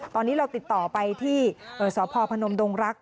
ตอนนี้เราติดต่อไปที่สพพนมดงรักษ